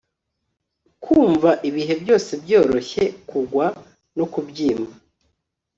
kumva ibihe byose byoroshye kugwa no kubyimba